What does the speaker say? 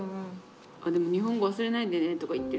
でも「日本語忘れないでね」とか言ってる。